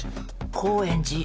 高円寺？